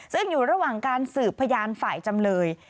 ซึ่งอยู่ระหว่างการสืบพยานฝ่ายจำเลย